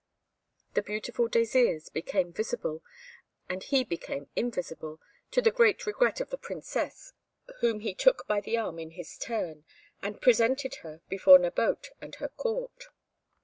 The beautiful Désirs became visible, and he became invisible, to the great regret of the Princess, whom he took by the arm in his turn, and presented her before Nabote and her Court.